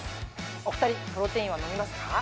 お二人プロテインは飲みますか？